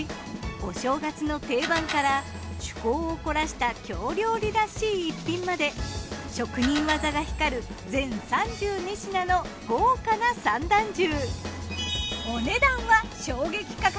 お正月の定番から趣向を凝らした京料理らしい逸品まで職人技が光る全３２品の豪華な三段重。